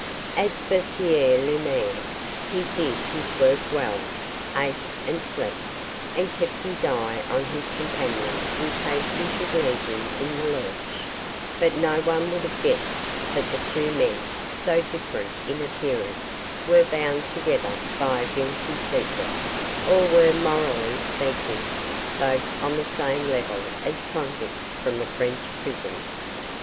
As for Pierre Lemaire, he did his work well, ate and slept, and kept his eye on his companion in case he should leave him in the lurch; but no one would have guessed that the two men, so different in appearance, were bound together by a guilty secret, or were, morally speaking, both on the same level as convicts from a French prison.